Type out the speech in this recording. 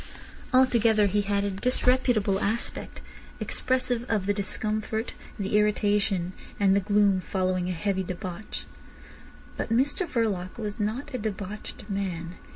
Altogether he had a disreputable aspect, expressive of the discomfort, the irritation and the gloom following a heavy debauch. But Mr Verloc was not a debauched man.